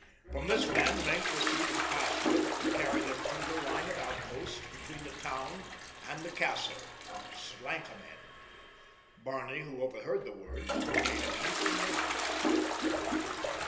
From this man Maenck received the password that would carry them through the line of outposts between the town and the castle—"Slankamen." Barney, who overheard the word, made a mental note of it.